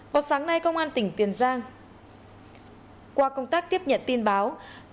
vào sáng nay công an tỉnh tiền giang qua công tác tiếp nhận tin báo